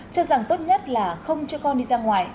cho rằng tốt nhất là không cho con đi ra ngoài